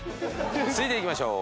続いていきましょう。